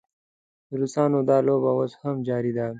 د روسانو دا لوبه اوس هم جاري ده.